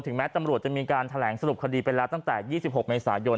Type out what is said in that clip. แม้ตำรวจจะมีการแถลงสรุปคดีไปแล้วตั้งแต่๒๖เมษายน